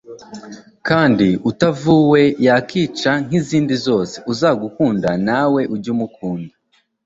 kandi utavuwe yakica nkizindi zose uzagukunda nawe uzajye umukunda